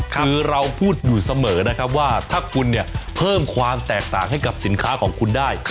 คือเราพูดอยู่เสมอนะครับว่าถ้าคุณเนี่ยเพิ่มความแตกต่างให้กับสินค้าของคุณได้